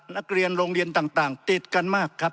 นักเรียนโรงเรียนต่างติดกันมากครับ